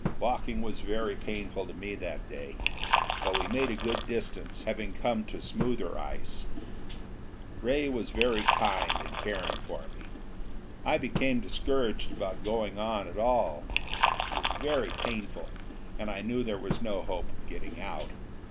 Walking was very painful to me that day, but we made a good distance, having come to smoother ice. Ray was very kind in caring for me. I became discouraged about going on at all: it was very painful, and I knew there was no hope of getting out.